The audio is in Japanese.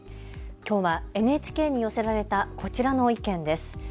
きょうはＮＨＫに寄せられたこちらの意見です。